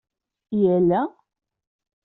I ella?